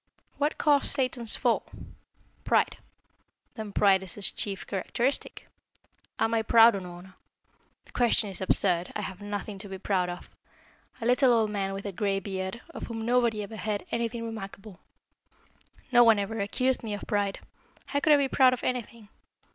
"What caused Satan's fall? Pride. Then pride is his chief characteristic. Am I proud, Unorna? The question is absurd, I have nothing to be proud of a little old man with a gray beard, of whom nobody ever heard anything remarkable. No one ever accused me of pride. How could I be proud of anything?